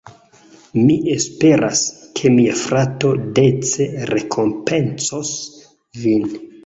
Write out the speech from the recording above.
Mi esperas, ke mia frato dece rekompencos vin.